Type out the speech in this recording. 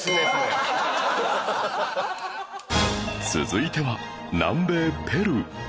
続いては南米ペルー